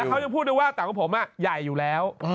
เขายังพูดได้ว่าแต่ว่าผมใหญ่อยู่แล้ว